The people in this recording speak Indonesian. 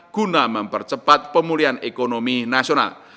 guna mempercepat pemulihan ekonomi nasional